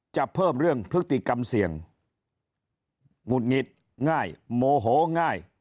จะเพิ่มเรื่องพฤติกรรมเสี่ยงหงุดหงิดง่ายโมโหง่าย